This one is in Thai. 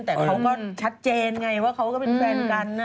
แต่เขาก็ชัดเจนไงว่าเขาก็เป็นแฟนกันนะ